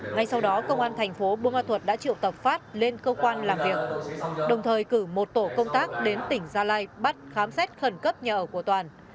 ngay sau đó công an thành phố bô ma thuật đã triệu tập phát lên cơ quan làm việc đồng thời cử một tổ công tác đến tỉnh gia lai bắt khám xét khẩn cấp nhà ở của toàn